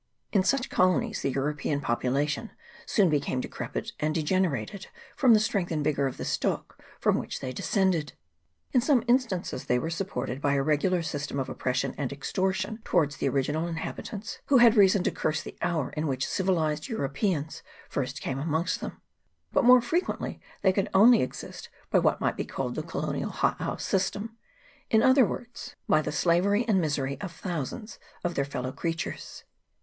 In such colonies the European population soon became decrepit, and degenerated from the strength and vigour of the stock from which they descended. In some instances they were supported by a regular system of oppression and extortion towards the original inhabitants, who had reason to curse the hour in which civilised Europeans first came amongst them ; but, more frequently, they could only exist by what might be called the colonial hothouse system, in other words, by the slavery and CHAP. I.] GENERAL REMARKS. 3 misery of thousands of their fellow creatures.